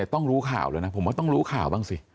ต้องรู้ข่าวเลยนะผมว่าต้องรู้ข่าวบ้างสิ